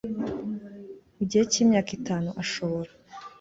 mu gihe cy imyaka itanu ashobora